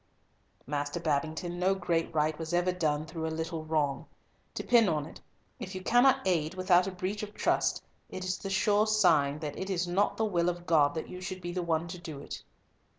"Master Babington, no great right was ever done through a little wrong. Depend on it, if you cannot aid without a breach of trust, it is the sure sign that it is not the will of God that you should be the one to do it."